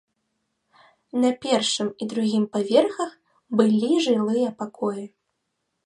На першым і другім паверхах былі жылыя пакоі.